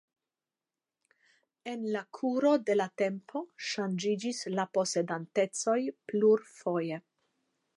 En la kuro de la tempo ŝanĝiĝis la posedantecoj plurfoje.